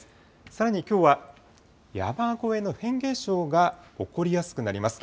さらにきょうは、山越えのフェーン現象が起こりやすくなります。